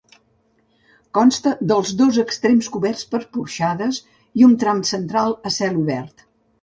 Consta dels dos extrems coberts per porxades i un tram central a cel obert.